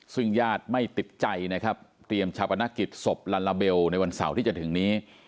ซึ่งญาติไม่ติดใจนะครับเตรียมชาปนกิจศพลัลลาเบลในวันเสาร์ที่จะถึงนี้